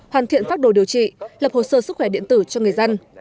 hoàn thiện pháp đồ điều trị lập hồ sơ sức khỏe điện tử cho người dân